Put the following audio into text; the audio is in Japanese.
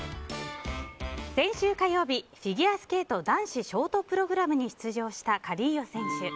先週火曜日、フィギュアスケート男子ショートプログラムに出場したカリーヨ選手。